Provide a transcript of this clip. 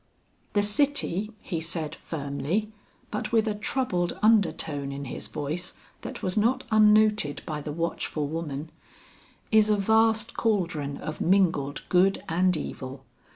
"The city," he said firmly but with a troubled undertone in his voice that was not unnoted by the watchful woman, "is a vast caldron of mingled good and evil.